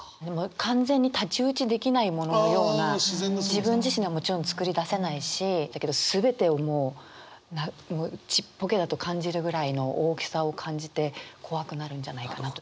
完全に太刀打ちできないもののような自分自身ではもちろんつくり出せないし全てをもうちっぽけだと感じるぐらいの大きさを感じて怖くなるんじゃないかな。